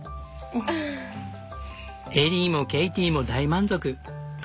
エリーもケイティも大満足。